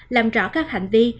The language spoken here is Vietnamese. làm rõ các hành vi